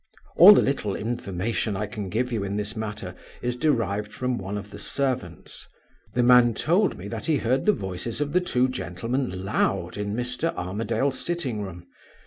"All the little information I can give you in this matter is derived from one of the servants. The man told me that he heard the voices of the two gentlemen loud in Mr. Armadale's sitting room.